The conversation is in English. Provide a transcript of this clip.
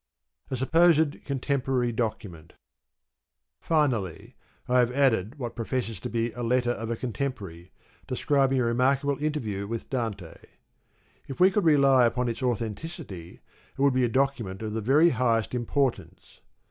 A Supposed Contemporary Document. — Finally, I have added what professes to be a letter of a contemporary, describing a remarkable interview with Dante. If we could rely upon its authenticity it would be a document of the very highest importance.